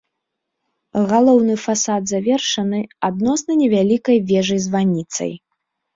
Галоўны фасад завершаны адносна невялікай вежай-званіцай.